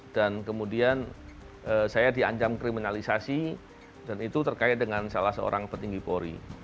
dan kemudian saya dianjam kriminalisasi dan itu terkait dengan salah seorang petinggi polri